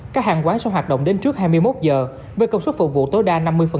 các hàng quán sẽ hoạt động đến trước hai mươi một giờ với công suất phục vụ tối đa năm mươi